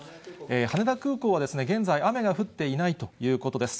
羽田空港は現在、雨が降っていないということです。